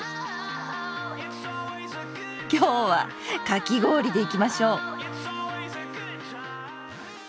今日は「かき氷」でいきましょう！